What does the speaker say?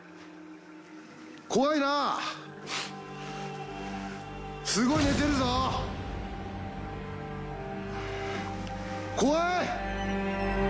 怖いなすごい寝てるぞ怖い！